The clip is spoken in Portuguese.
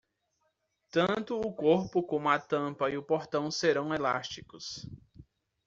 Tanto o corpo como a tampa e o portão serão elásticos.